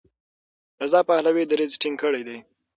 رضا پهلوي دریځ ټینګ کړی دی.